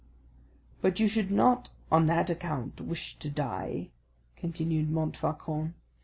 "But you should not on that account wish to die," continued Montfaucon.